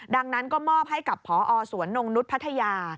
ดังนั้นก็มอบให้กับพอสวนนงนุษย์พัทยา